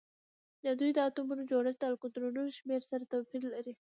د دوی د اتومونو جوړښت او د الکترونونو شمیر سره توپیر لري